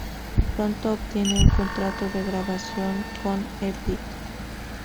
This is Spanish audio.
Pronto obtiene un contrato de grabación con Epic.